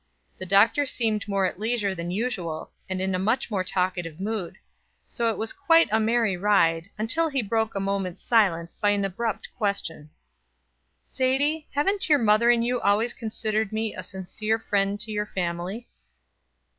The Doctor seemed more at leisure than usual, and in a much more talkative mood; so it was quite a merry ride, until he broke a moment's silence by an abrupt question: "Sadie, haven't your mother and you always considered me a sincere friend to your family?"